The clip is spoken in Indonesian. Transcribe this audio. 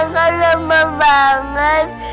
kau lomba banget